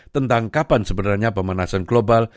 tentang kapan sebenarnya pemanasan global